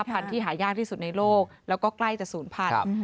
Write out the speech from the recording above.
พันธุ์ที่หายากที่สุดในโลกแล้วก็ใกล้จะศูนย์พันธุ์